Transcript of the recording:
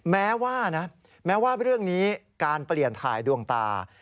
แม้ว่านะแม้ว่าเรื่องนี้การเปลี่ยนถ่ายดวงตา